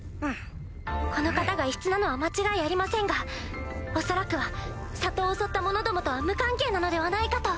この方が異質なのは間違いありませんが恐らくは里を襲った者どもとは無関係なのではないかと。